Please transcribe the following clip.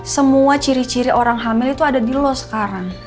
semua ciri ciri orang hamil itu ada di los sekarang